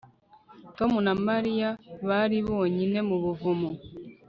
Tom na Mariya bari bonyine mu buvumo